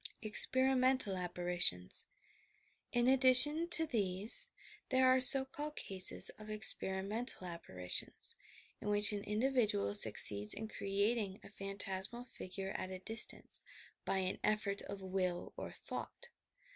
EXPERIMENTAL APPAHITIONS In addition to these, there are so called cases of "ex perimental apparitions, '' in which an individual succeeds in creating a phantasmal figure at a distance, by an effort of will or thought.